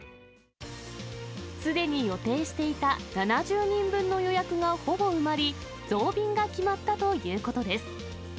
すでに予定していた７０人分の予約がほぼ埋まり、増便が決まったということです。